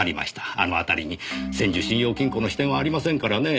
あの辺りに千住信用金庫の支店はありませんからねえ。